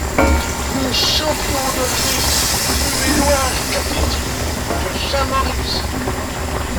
Le champion de l'année fut Eduard Capiti, de Saint-Moritz.